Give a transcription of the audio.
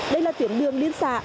đây là tuyến đường liên xã